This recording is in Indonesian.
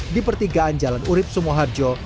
di pertigaan jalan urib sumoharjo